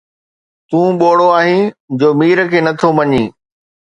”تون ٻوڙو آهين جو مير کي نٿو مڃين